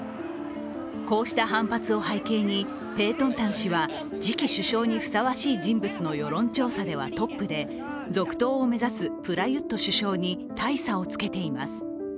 こうした反発を背景にペートンタン氏は次期首相にふさわしい人物の世論調査ではトップで続投を目指すプラユット首相に大差をつけています。